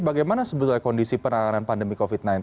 bagaimana sebetulnya kondisi penanganan pandemi covid sembilan belas